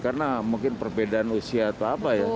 karena mungkin perbedaan usia atau apa ya